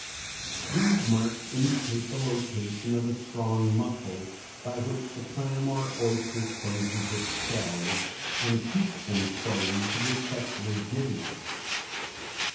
These marks (e, e,) indicate the location of a strong muscle by which the clam or oyster closes its shells and keeps them closed with such rigidity.